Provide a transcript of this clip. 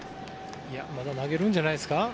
いやまだ投げるんじゃないですか。